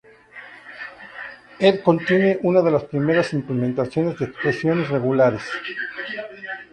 Ed contiene una de las primeras implementaciones de expresiones regulares.